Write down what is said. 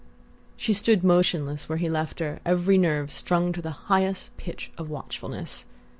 She stood motionless where he left her, every nerve strung to the highest pitch of watchfulness.